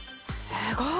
すごい！